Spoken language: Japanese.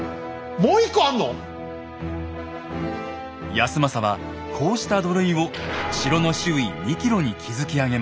康政はこうした土塁を城の周囲２ｋｍに築き上げました。